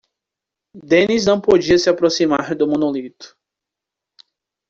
Dennis não podia se aproximar do monólito.